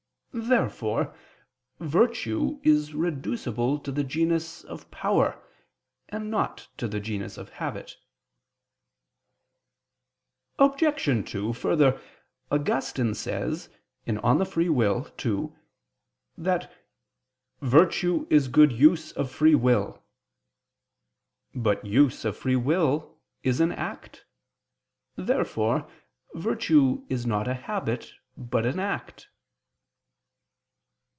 Therefore virtue is reducible to the genus of power, and not to the genus of habit. Obj. 2: Further, Augustine says (De Lib. Arb. ii) [*Retract. ix; cf. De Lib. Arb. ii, 19] that "virtue is good use of free will." But use of free will is an act. Therefore virtue is not a habit, but an act.